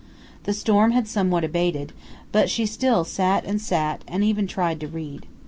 The storm had somewhat abated, but she still "sat and sat," and even tried to read.